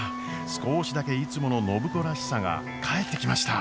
少しだけいつもの暢子らしさが帰ってきました！